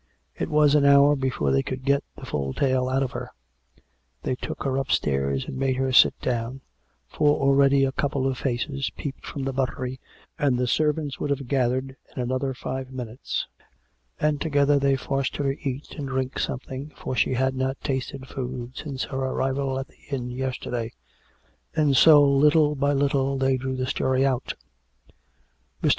It was an hour before they could get the full tale out of her. They took her upstairs and made her sit down, for already a couple of faces peeped from the buttery, and the servants would have gathered in another five minutes; and together they forced her to eat and drink something, for she had not tasted food since her arrival at the inn yesterday; and so, little by little, they drew the story out.